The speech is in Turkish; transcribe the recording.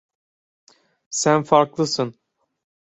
Sen farklısın.